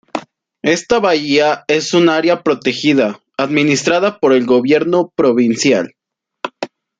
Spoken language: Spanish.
Esta bahía es un área protegida administrada por el gobierno provincial.